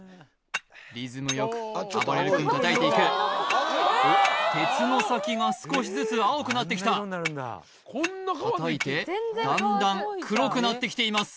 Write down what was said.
リズムよくあばれる君叩いていくおっ鉄の先が少しずつ青くなってきた叩いてだんだん黒くなってきています